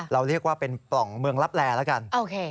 เราเรียกว่าเป็นปล่องเมืองลับแลแล้วกัน